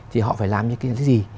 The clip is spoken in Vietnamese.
thì họ phải làm những cái gì